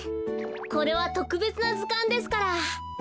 これはとくべつなずかんですから。